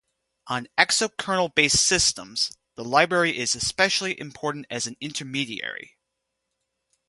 On exokernel based systems, the library is especially important as an intermediary.